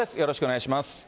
よろしくお願いします。